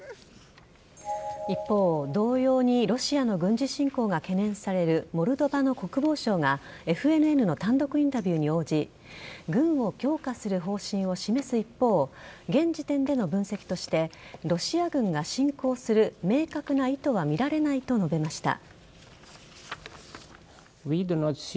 一方、同様にロシアの軍事侵攻が懸念されるモルドバの国防相がＦＮＮの単独インタビューに応じ軍を強化する方針を示す一方現時点での分析としてロシア軍が侵攻する明確な意図は見られないと述べました。